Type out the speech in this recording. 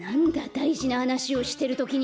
だいじなはなしをしてるときに。